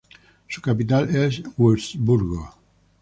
Su capital es Wurzburgo.